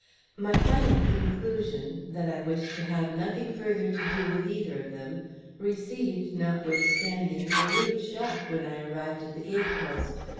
My final conclusion, that I wished to have nothing further to do with either of them, received, notwithstanding, a rude shock when I arrived at the gate post.